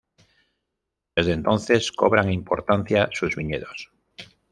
Desde entonces, cobran importancia sus viñedos.